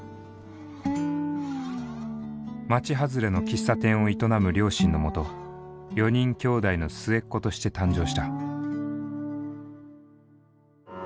町はずれの喫茶店を営む両親のもと４人兄弟の末っ子として誕生した。